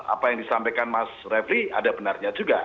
apa yang disampaikan mas refli ada benarnya juga